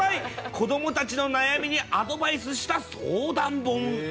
子どもたちの悩みにアドバイスした相談本。